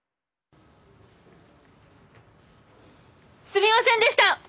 すみませんでした！